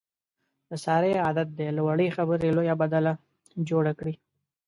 د سارې عادت دی، له وړې خبرې لویه بدله جوړه کړي.